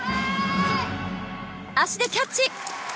足でキャッチ。